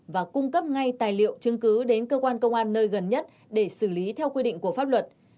và cung cấp ngay tài liệu chứng cứ đến cơ quan công an nơi gần nhất để xử lý theo quy định của pháp luật